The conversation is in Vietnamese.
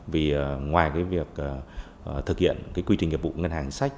vì ngoài việc thực hiện quy trình nhiệm vụ ngân hàng sách